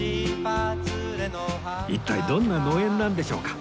一体どんな農園なんでしょうか？